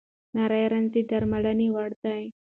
نري رنځ د درملنې وړ دی.